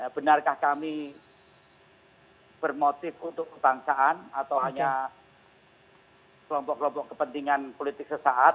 benarkah kami bermotif untuk kebangsaan atau hanya kelompok kelompok kepentingan politik sesaat